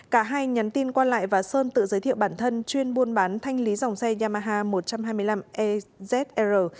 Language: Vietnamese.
cả hai nhắn tin qua lại và sơn tự giới thiệu bản thân chuyên buôn bán thanh lý dòng xe yamaha một trăm hai mươi năm ezr